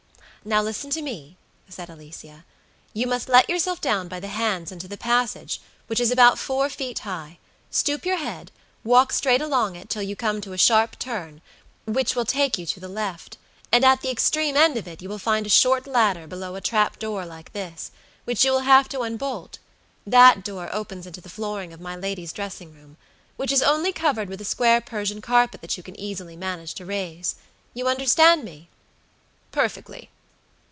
"Now listen to me," said Alicia. "You must let yourself down by the hands into the passage, which is about four feet high; stoop your head, walk straight along it till you come to a sharp turn which will take you to the left, and at the extreme end of it you will find a short ladder below a trap door like this, which you will have to unbolt; that door opens into the flooring of my lady's dressing room, which is only covered with a square Persian carpet that you can easily manage to raise. You understand me?" "Perfectly."